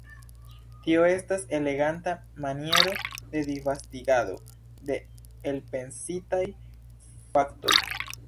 Tio estas eleganta maniero de disvastigado de elpensitaj faktoj.